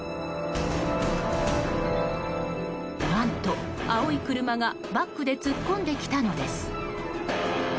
何と、青い車がバックで突っ込んできたのです。